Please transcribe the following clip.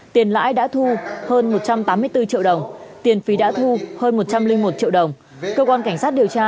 tiền lãi đã thu hơn một trăm tám mươi bốn triệu đồng tiền phí đã thu hơn một trăm linh một triệu đồng cơ quan cảnh sát điều tra